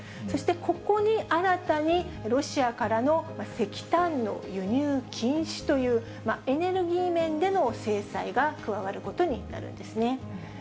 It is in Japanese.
そしてここに新たに、ロシアからの石炭の輸入禁止という、エネルギー面での制裁が加わることになるんですね。